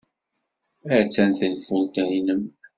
Attan tenfult-nnem.